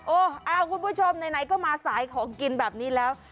อ้าวคุณผู้ชมไหนก็มาสายของกินแบบนี้แล้ว